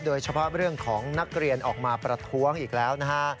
โดยเฉพาะเรื่องของนักเรียนออกมาประท้วงอีกแล้วนะฮะ